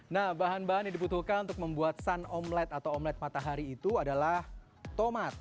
nah bahan bahan yang dibutuhkan untuk membuat sun omlet atau omelet matahari itu adalah tomat